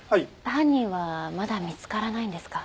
犯人はまだ見つからないんですか？